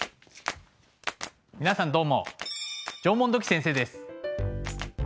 皆さんどうも縄文土器先生です。